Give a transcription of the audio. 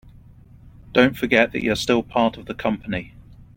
Don't forget that you're still part of the company.